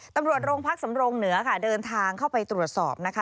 ตำรวจโรงพักสำรงเหนือค่ะเดินทางเข้าไปตรวจสอบนะคะ